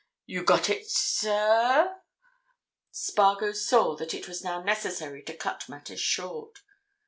You got it, sir—" Spargo saw that it was now necessary to cut matters short.